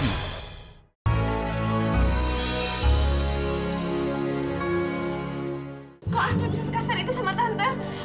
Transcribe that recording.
kok anda bisa sekasar itu sama tante